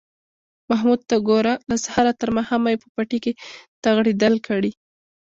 محمود ته گوره! له سهاره تر ماښامه یې په پټي کې تغړېدل کړي